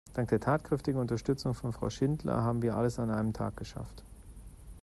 Dank der tatkräftigen Unterstützung von Frau Schindler haben wir alles an einem Tag geschafft.